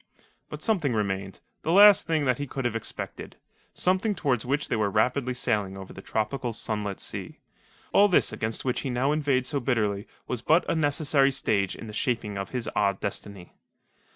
But something remained the last thing that he could have expected something towards which they were rapidly sailing over the tropical, sunlit sea. All this against which he now inveighed so bitterly was but a necessary stage in the shaping of his odd destiny.